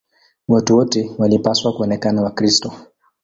Watu wote walipaswa kuonekana Wakristo.